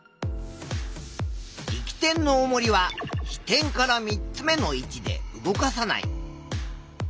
力点のおもりは支点から３つ目の位置で動かさない。